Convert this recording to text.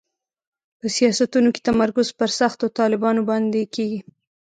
په سیاستونو کې تمرکز پر سختو طالبانو باندې کېږي.